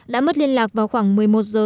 đã mất liên lạc vào khoảng một mươi một giờ